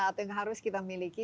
atau yang harus kita miliki